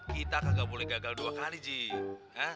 kita kegak boleh gagal dua kali sih